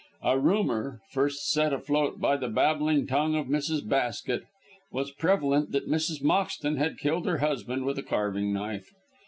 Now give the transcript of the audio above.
A rumour first set afloat by the babbling tongue of Mrs. Basket was prevalent that Mrs. Moxton had killed her husband with a carving knife.